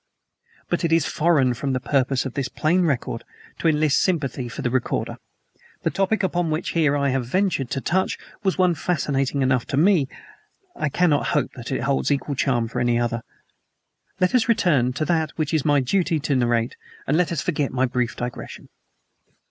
But it is foreign from the purpose of this plain record to enlist sympathy for the recorder. The topic upon which, here, I have ventured to touch was one fascinating enough to me; I cannot hope that it holds equal charm for any other. Let us return to that which it is my duty to narrate and let us forget my brief digression.